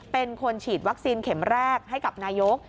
เป็นคนฉีดวัคซีนเข็มแรกให้กับนายก